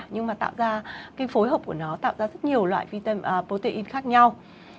nhưng mà tạo ra cái phối hợp của nó tạo ra rất nhiều loại vitam protein khác nhau